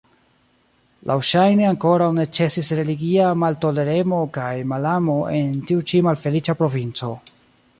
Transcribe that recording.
Laŭŝajne ankoraŭ ne ĉesis religia maltoleremo kaj malamo en tiu ĉi malfeliĉa provinco.